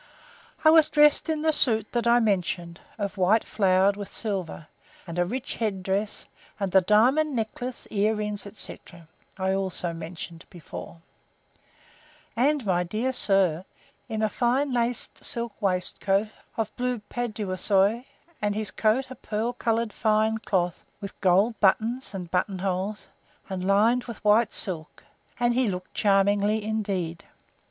I was dressed in the suit I mentioned, of white flowered with silver, and a rich head dress, and the diamond necklace, ear rings, etc. I also mentioned before: And my dear sir, in a fine laced silk waistcoat, of blue paduasoy, and his coat a pearl coloured fine cloth, with gold buttons and button holes, and lined with white silk; and he looked charmingly indeed.